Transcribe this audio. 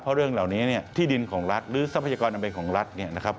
เพราะเรื่องเหล่านี้ที่ดินของรัฐหรือทรัพยากรอำเบนของรัฐนะครับ